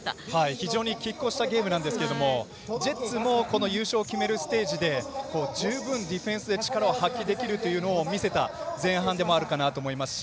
非常にきっ抗したゲームですけどジェッツも優勝を決めるステージで十分、ディフェンスで力を発揮できるということを見せた前半でもあるかなと思いますし。